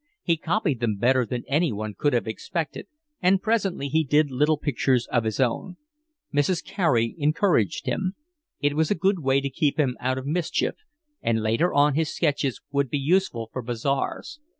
He copied them better than anyone could have expected, and presently he did little pictures of his own. Mrs. Carey encouraged him. It was a good way to keep him out of mischief, and later on his sketches would be useful for bazaars.